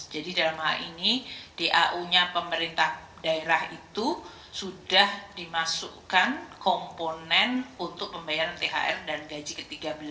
jadi dalam hal ini dau nya pemerintah daerah itu sudah dimasukkan komponen untuk pembayaran thr dan gaji ke tiga belas